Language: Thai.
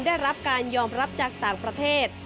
ได้รับการยอมรับจากต่างประเทศ